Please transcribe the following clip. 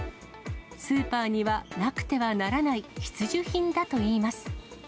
スーパーにはなくてはならない必需品だといいます。